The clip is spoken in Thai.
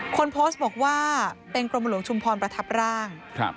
คนโพสต์บอกว่าเป็นกรมหลวงชุมพรประทับร่าง